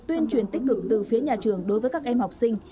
tuyên truyền tích cực từ phía nhà trường đối với các em học sinh